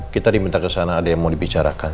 kita diminta kesana ada yang mau dibicarakan